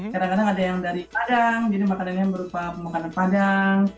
kadang kadang ada yang dari padang jadi makanannya berupa makanan padang